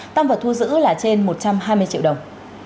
tăng vật thu giữ là trên một trăm hai mươi triệu đồng